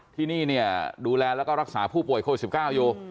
ที่นี่เนี่ยดูแลแล้วก็รักษาผู้ป่วยโควิด๑๙อยู่